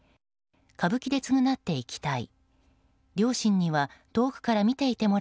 歌舞伎で償っていきたい。